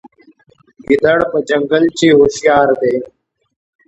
ګیدړ په ځنګل کې هوښیار دی.